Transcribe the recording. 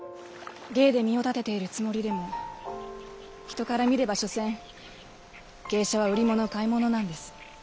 芸で身を立てているつもりでも人から見れば所詮芸者は売り物買い物なんです。